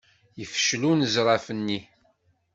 Yefcel unezraf-nni.